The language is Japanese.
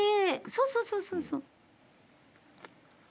そうそうそうそうそう。